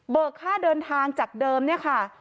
ค่าเดินทางจากเดิมเนี่ยค่ะ